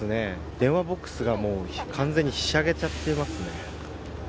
電話ボックスが完全にひしゃげちゃってますね。